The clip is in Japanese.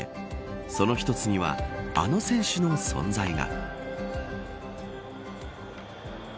その一つにはあの選手の存在が。